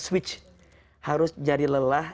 switch harus jadi lelah